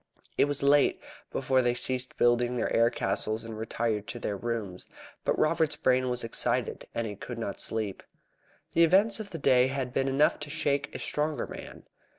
It was late before they ceased building their air castles and retired to their rooms. But Robert's brain was excited, and he could not sleep. The events of the day had been enough to shake a stronger man.